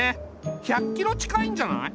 １００キロ近いんじゃない？